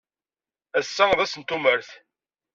Ass-a d ass n tumert.